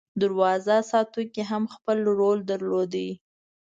دروازه ساتونکي هم خپل رول درلود.